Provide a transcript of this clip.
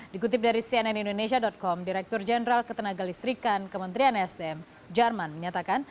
dikutip dari cnn indonesia com direktur jenderal ketenaga listrikan kementerian sdm jerman menyatakan